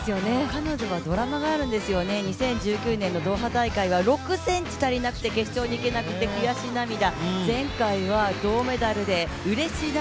彼女はドラマがあるんですよね、２０１９年のドーハ大会は、６ｃｍ足りなくて決勝にいけなくて悔し涙、前回は銅メダルでうれし涙